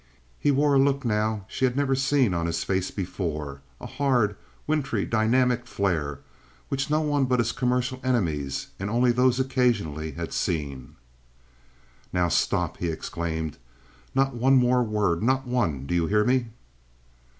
He wore a look now she had never seen on his face before—a hard, wintry, dynamic flare, which no one but his commercial enemies, and only those occasionally, had seen. "Now stop!" he exclaimed. "Not one more word! Not one! Do you hear me?"